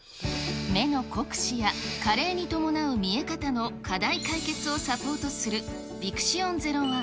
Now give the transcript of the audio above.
目の酷使や加齢に伴う見え方の課題解決をサポートする、ヴィクシオン０１。